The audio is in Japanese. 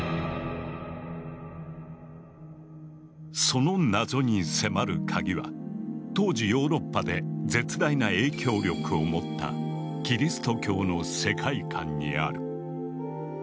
その謎に迫るカギは当時ヨーロッパで絶大な影響力を持ったキリスト教の世界観にある。